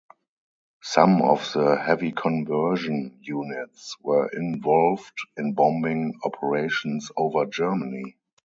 Some of the heavy conversion units were involved in bombing operations over Germany.